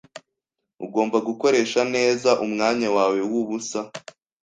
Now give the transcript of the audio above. Ugomba gukoresha neza umwanya wawe wubusa.